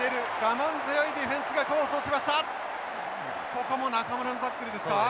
ここも中村のタックルですか。